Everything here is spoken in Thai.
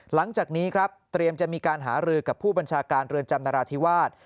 หลังจากนี้ครับเตรียมจะมีการหารือกับผู้บัญชาการเรือนจำนราธิวาส